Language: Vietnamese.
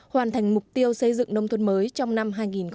hoàn thành mục tiêu xây dựng nông tôn mới trong năm hai nghìn một mươi sáu